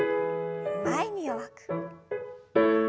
前に弱く。